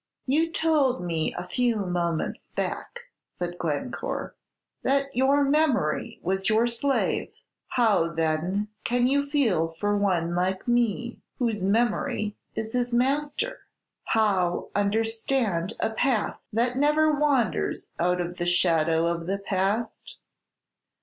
"You told me a few moments back," said Glencore, "that your memory was your slave. How, then, can you feel for one like me, whose memory is his master? How understand a path that never wanders out of the shadow of the past?"